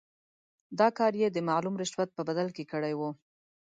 دا کار یې د معلوم رشوت په بدل کې کړی وو.